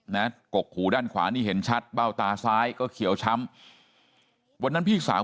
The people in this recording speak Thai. กกหูด้านขวานี่เห็นชัดเบ้าตาซ้ายก็เขียวช้ำวันนั้นพี่สาว